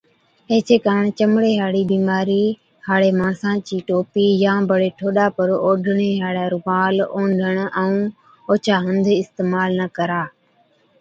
ايڇي ڪاڻ چمڙي هاڙِي بِيمارِي هاڙي ماڻسا چِي ٽوپِي يان بڙي ٺوڏا پر اوڍڻي هاڙَي رومال، اوڍڻ ائُون اوڇا هنڌ اِستعمال نہ ڪرا۔